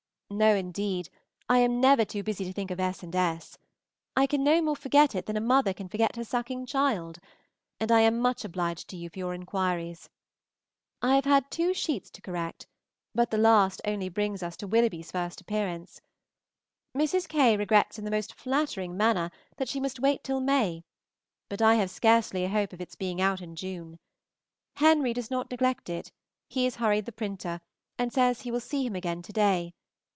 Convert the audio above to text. No, indeed, I am never too busy to think of S. and S. I can no more forget it than a mother can forget her sucking child; and I am much obliged to you for your inquiries. I have had two sheets to correct, but the last only brings us to Willoughby's first appearance. Mrs. K. regrets in the most flattering manner that she must wait till May, but I have scarcely a hope of its being out in June. Henry does not neglect it; he has hurried the printer, and says he will see him again to day.